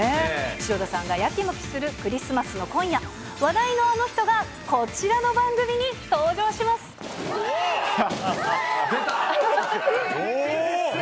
城田さんがやきもきするクリスマスの今夜、話題のあの人がこちらわー！